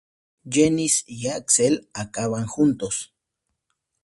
Janice y Axel acaban juntos.